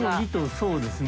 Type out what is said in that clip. そうですね。